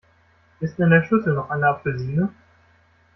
Ist in der Schüssel noch eine Apfelsine?